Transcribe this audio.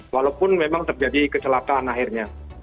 walaupun memang terjadi kecelakaan akhirnya